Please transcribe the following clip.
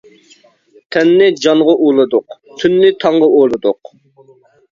تەننى جانغا ئۇلىدۇق، تۈننى تاڭغا ئۇلىدۇق.